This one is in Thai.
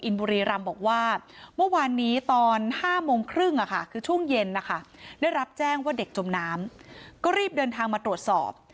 และรับแจ้งว่าเด็กจมน้ำก็รีบเดินทางมาตรวจสอบ